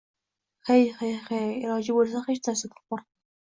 Hey, hey, hey... iloji bo'lsa, hech narsadan qo'rqma...